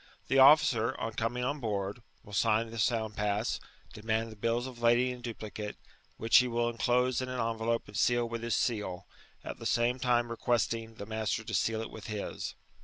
The officer, on cominff on board, wiU sign the Sound pass, demand the bills of lading in duplicate, whidi ne will enclose in an envelope and seal with his seal, at the same tune requertiiig the master to seal it with his.